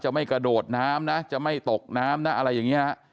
ไม่กระโดดน้ำนะจะไม่ตกน้ำนะอะไรอย่างนี้นะ